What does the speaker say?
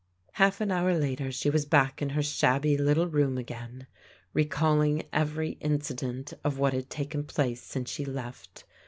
Half an hour later she was back in her shabby little room again, recalling every incident of what had taken place since she left.